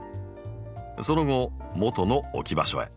その後もとの置き場所へ。